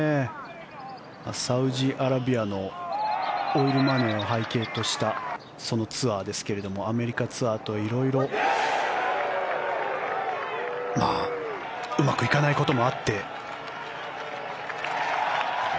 サウジアラビアのオイルマネーを背景としたそのツアーですけれどアメリカツアーと色々うまくいかないこともあって。